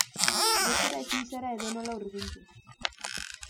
Getxora ezin zara edonola hurbildu.